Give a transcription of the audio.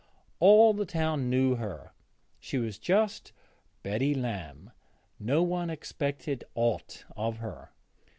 All the town knew her; she was just 'Betty Lamb'; no one expected aught of her.